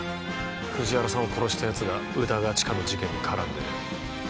藤原さんを殺したやつが歌川チカの事件に絡んでる。